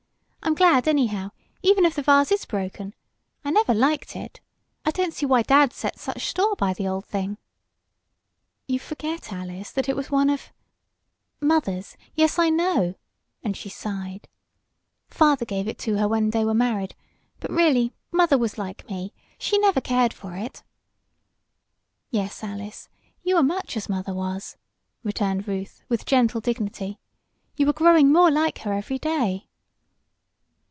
I'm glad, anyhow, even if the vase is broken. I never liked it. I don't see why dad set such store by the old thing." "You forget, Alice, that it was one of " "Mother's yes, I know," and she sighed. "Father gave it to her when they were married, but really, mother was like me she never cared for it." "Yes, Alice, you are much as mother was," returned Ruth, with gentle dignity. "You are growing more like her every day."